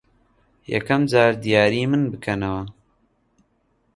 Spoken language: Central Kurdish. یەکەم جار دیاریی من بکەنەوە.